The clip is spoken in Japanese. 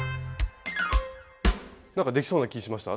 なんかできそうな気しました？